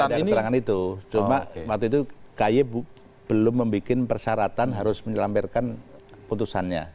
tidak ada keterangan itu cuma waktu itu ky belum membuat persyaratan harus menyelamberkan putusannya